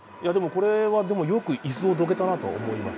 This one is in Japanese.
これは、よく椅子をどけたなと思います。